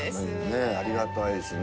ねえありがたいですね。